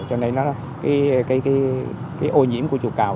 cho nên cái ô nhiễm của chùa cầu